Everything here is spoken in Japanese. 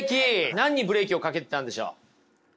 何にブレーキをかけてたんでしょう？